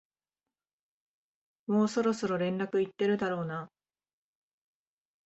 もうそろそろ連絡行ってるだろうな